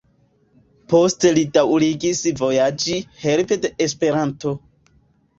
Poste li daŭrigis vojaĝi helpe de Esperanto.